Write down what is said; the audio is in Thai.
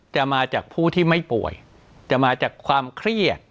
จะมาจากผู้ที่ไม่ป่วยจะมาจากความเครียด